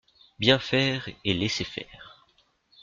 Bien faire et laisser faire